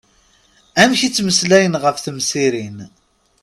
Amek i ttmeslayen ɣef temsirin.